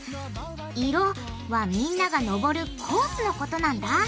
色はみんなが登るコースのことなんだ。